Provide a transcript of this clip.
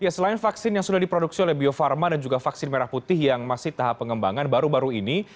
selain vaksin yang sudah diproduksi oleh bio farma dan juga vaksin merah putih yang masih tahap pengembangan baru baru ini